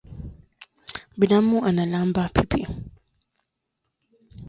Binamu analamba pipi.